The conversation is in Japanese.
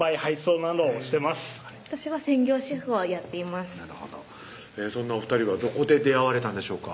なるほどそんなお２人はどこで出会われたんでしょうか？